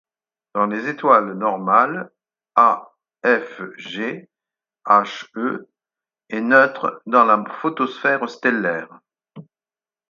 Dans les étoiles normales A-F-G He est neutre dans la photosphère stellaire.